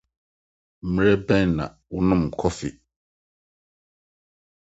Bere bɛn na wonom kɔfe?